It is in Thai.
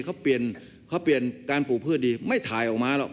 เขาเปลี่ยนการปลูกพืชดีไม่ถ่ายออกมาหรอก